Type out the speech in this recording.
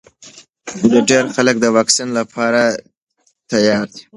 ډېر خلک د واکسین لپاره تیار دي.